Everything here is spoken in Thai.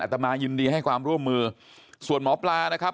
ตมายินดีให้ความร่วมมือส่วนหมอปลานะครับ